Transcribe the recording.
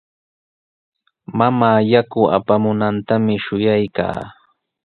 Mamaa yaku apamunantami shuyaykaa.